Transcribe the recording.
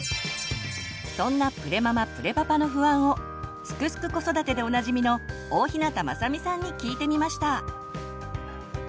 そんなプレママ・プレパパの不安を「すくすく子育て」でおなじみの大日向雅美さんに聞いてみました！